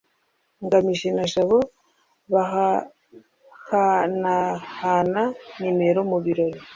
ngamije na jabo bahanahana nimero mu birori